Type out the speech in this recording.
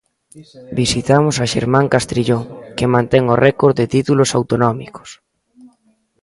Visitamos a Xermán Castrillón, que mantén o récord de títulos autonómicos.